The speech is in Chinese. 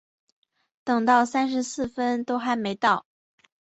等到三十四分都还没到